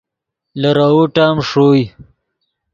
لیروؤ ٹیم ݰوئے